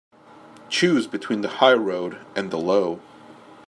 Choose between the high road and the low.